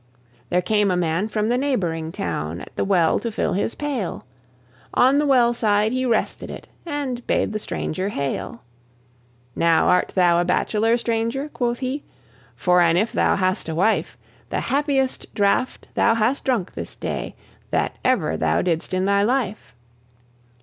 There came a man from the neighbouring town At the well to fill his pail; On the well side he rested it, And bade the stranger hail. "Now, art thou a bachelor, stranger?" quoth he, "For an if thou hast a wife, The happiest draught thou hast drunk this day That ever thou didst in thy life.